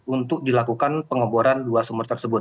untuk dilakukan pengeboran dua sumur tersebut